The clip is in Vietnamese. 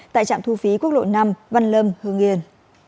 tại trạm thu phí quốc lộ năm văn lâm hương yên